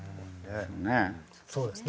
そうですね。